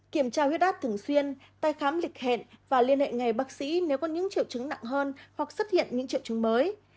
kiểm tra huyết áp thường xuyên tay khám lịch hẹn và liên hệ ngay bác sĩ nếu có những triệu chứng nặng hơn hoặc xuất hiện những triệu chứng mới